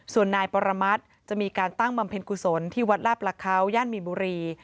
ส่วนนายปรมัติจะมีการตั้งบำเพ็ญกุศลที่วัดลาประเขาย่านมีนบุรี